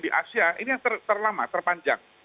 di asia ini yang terlama terpanjang